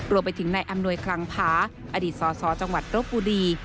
รวมไปถึงนายอำนวยคลังพาอดีตสสจังหวัดรบบุรี